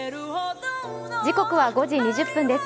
時刻は５時２０分です。